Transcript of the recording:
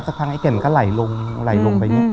สักพักไอ้แก่นมันก็ไหลลงไป